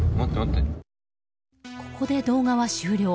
ここで動画は終了。